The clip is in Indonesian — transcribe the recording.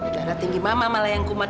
darah tinggi mama malah yang kumat